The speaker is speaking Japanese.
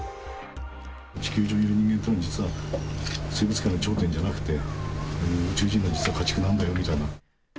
地球上にいる人間っていうのは、生物界の頂点じゃなくて、宇宙人の家畜なんだよみたいな。